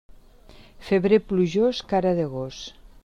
Febrer plujós, cara de gos.